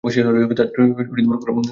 তাদের কুরআন পড়াতে লাগলেন।